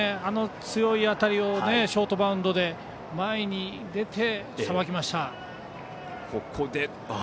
強い当たりをショートバウンドで前に出てさばきました。